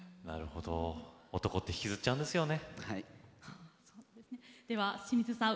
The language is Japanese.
男は引きずっちゃうんですよね。